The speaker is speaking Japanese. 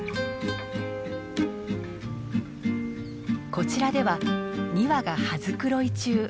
こちらでは２羽が羽繕い中。